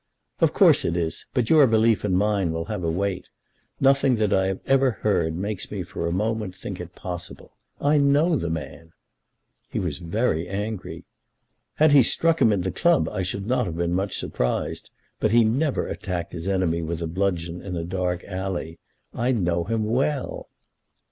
"Of course it is; but your belief and mine will have a weight. Nothing that I have heard makes me for a moment think it possible. I know the man." "He was very angry." "Had he struck him in the club I should not have been much surprised; but he never attacked his enemy with a bludgeon in a dark alley. I know him well."